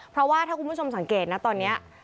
เพราะว่าถ้าคุณผู้ชมสังเกตนะตอนนี้